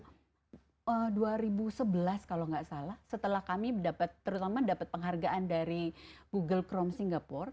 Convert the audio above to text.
jadi dua ribu sebelas kalo gak salah setelah kami terutama dapat penghargaan dari google chrome singapura